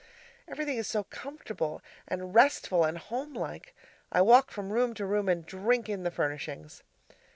Everything is so comfortable and restful and homelike; I walk from room to room and drink in the furnishings.